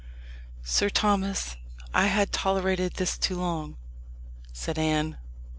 "Sir Thomas, I had tolerated this too long," said Anne.